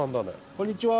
こんにちは。